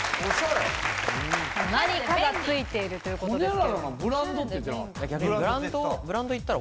何かがついているということです。